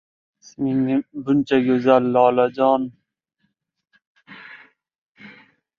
Ehtiyot bo’ling!